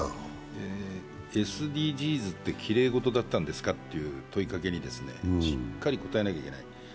ＳＤＧｓってきれい事だったんですかという問いかけにしっかり答えなきゃいけない。